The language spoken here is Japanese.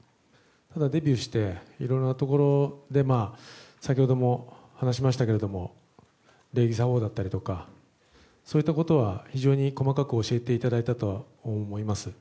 ただ、デビューしていろいろなところで先ほども話しましたけども礼儀作法だったりとかそういったことは非常に細かく教えていただいたとは思います。